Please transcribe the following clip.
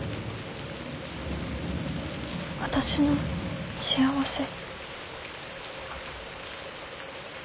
私の幸せ。